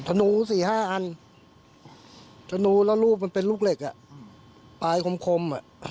ธนูสี่ห้าอันธนูแล้วรูปมันเป็นลูกเหล็กอ่ะปลายคมอ่ะ